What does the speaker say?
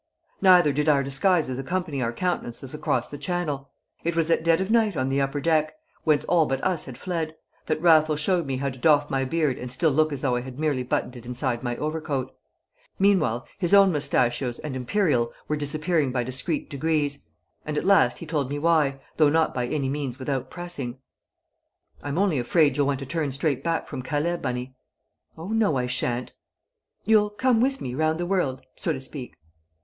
Neither did our disguises accompany our countenances across the Channel. It was at dead of night on the upper deck (whence all but us had fled) that Raffles showed me how to doff my beard and still look as though I had merely buttoned it inside my overcoat; meanwhile his own moustachios and imperial were disappearing by discreet degrees; and at last he told me why, though not by any means without pressing. "I'm only afraid you'll want to turn straight back from Calais, Bunny!" "Oh, no, I shan't." "You'll come with me round the world, so to speak?"